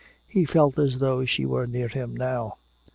He felt as though she were near him now.